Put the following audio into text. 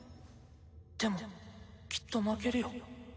でもきっと負けるよ。